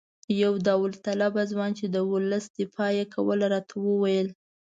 یو داوطلب ځوان چې د ولس دفاع یې کوله راته وویل.